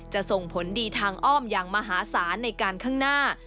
ส่งผลดีทางอ้อมอย่างมหาศาลในการข้างหน้า